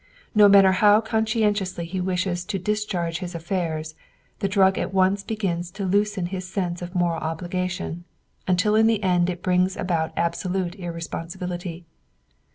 No matter how conscientiously he wishes to discharge his affairs, the drug at once begins to loosen his sense of moral obligation, until in the end it brings about absolute irresponsibility.